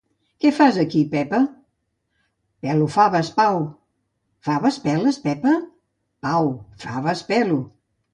Què fas aquí, Pepa? —Pelo faves, Pau. —Faves peles, Pepa? —Pau, faves pelo.